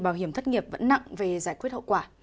bảo hiểm thất nghiệp vẫn nặng về giải quyết hậu quả